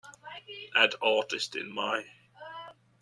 add artist in my